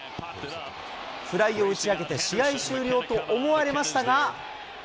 フライを打ち上げて、試合終了と思われましたが。